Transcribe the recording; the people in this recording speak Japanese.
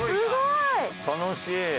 楽しい。